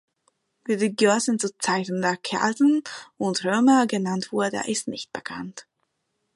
Wie die Gölsen zu Zeiten der Kelten und Römer genannt wurde ist nicht bekannt.